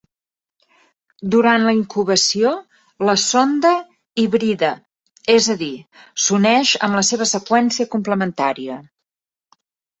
Durant la incubació la sonda hibrida, és a dir: s'uneix amb la seva seqüència complementària.